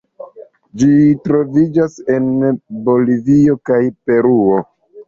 Ĝi troviĝas en Bolivio kaj Peruo.